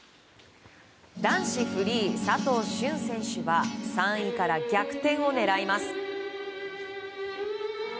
男子フリー佐藤駿選手は３位から逆転を狙います。